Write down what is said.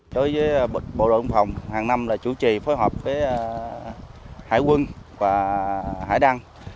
đối với bộ đội biên phòng hàng năm là chủ trì phối hợp với hải quân và hải đăng